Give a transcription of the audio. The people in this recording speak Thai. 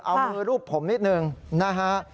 เอามือรูปผมนิดนึงนะฮะ